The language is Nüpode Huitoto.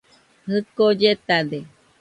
Jɨko lletade.